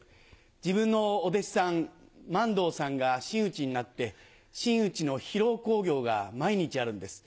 自分のお弟子さん満堂さんが真打ちになって真打ちの披露興行が毎日あるんです。